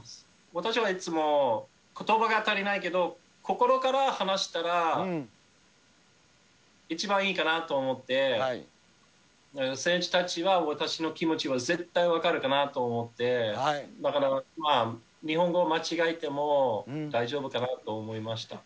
私はいつもことばが足りないけど、心から話したら一番いいかなと思って、だから選手たちは私の気持ちを絶対分かるかなと思って、だから、日本語間違えても大丈夫かなと思いました。